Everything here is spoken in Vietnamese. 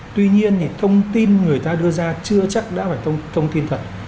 tuy nhiên thì thông tin người ta đưa ra chưa chắc đã phải thông tin thật